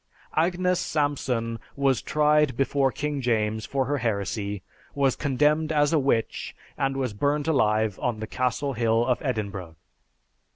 Agnes Sampson was tried before King James for her heresy, was condemned as a witch, and was burned alive on the Castle Hill of Edinburgh.